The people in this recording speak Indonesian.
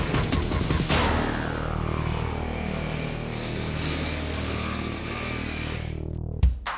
kayak covid sembilan belas aja